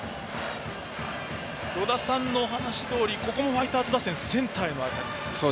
与田さんのお話どおりここもファイターズ打線センターへの当たりと。